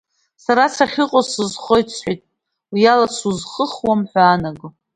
Сара сахьыҟоу сызхоит, — сҳәеит, уиала сузхыхуам ҳәа аанаго.